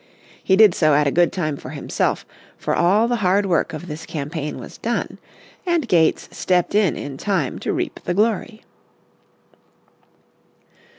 He did so at a good time for himself, for all the hard work of this campaign was done, and Gates stepped in time to reap the glory.